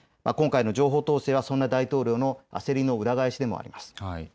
今回の情報統制はそんな大統領の焦りの裏返しでもあります。